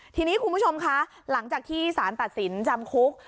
ทีนี้คุณผู้ชมคะหลังจากที่สารตัดสินจำคุก